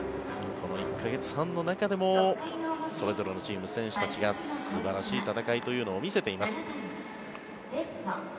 この１か月半の中でもそれぞれのチーム、選手たちが素晴らしい戦いというのを見せています。